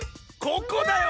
ここだよ！